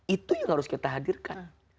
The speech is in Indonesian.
itu yang harus kita hadirkan